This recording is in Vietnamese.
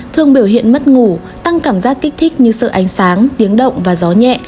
thường biểu hiện mất ngủ tăng cảm giác kích thích như sợ ánh sáng tiếng động và gió nhẹ